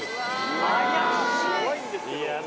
怖いんですけど。